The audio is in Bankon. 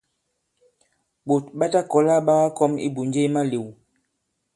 Ɓòt ɓa ta kɔ̀la ɓa kakɔm ibùnje i malew.